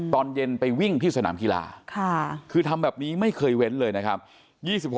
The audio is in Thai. ตอนเย็นไปวิ่งที่สนามกีฬาคือทำแบบนี้ไม่เคยเว้นเลยนะครับ